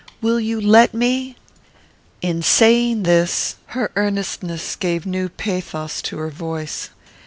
Will you let me?" In saying this, her earnestness gave new pathos to her voice.